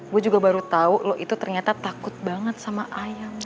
gue juga baru tahu lo itu ternyata takut banget sama ayam